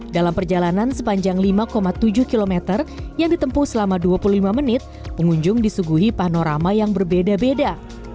dalam perjalanan sepanjang lima tujuh km yang ditempuh selama dua puluh lima menit pengunjung disuguhi panorama yang berbeda beda